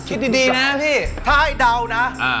คิดดีนะพี่ถ้าให้เดานะ